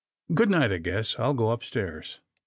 Good night, I guess I'll go upstairs."